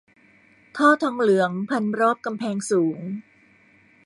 ท่อทองเหลืองพันรอบกำแพงสูง